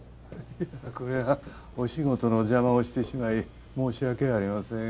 これはお仕事の邪魔をしてしまい申し訳ありません。